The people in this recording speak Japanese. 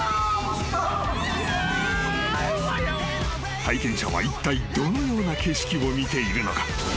［体験者はいったいどのような景色を見ているのか？］